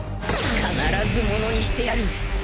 必ずものにしてやる。